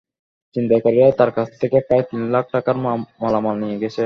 ছিনতাইকারীরা তাঁর কাছ থেকে প্রায় তিন লাখ টাকার মালামাল নিয়ে গেছে।